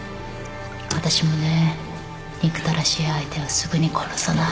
私もね憎たらしい相手はすぐに殺さない